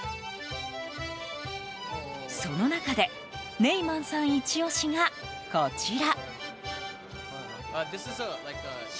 その中でネイマンさんイチ押しがこちら。